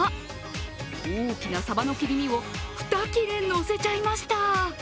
大きなサバの切り身を２切れ、乗せちゃいました。